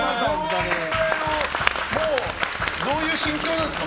今、どういう心境なんですか。